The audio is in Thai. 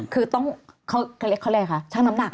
คือต้องเขาเรียกเขาเรียกคะช่างน้ำหนัก